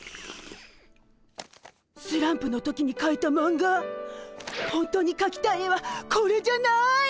スランプの時にかいたマンガほんとにかきたい絵はこれじゃない！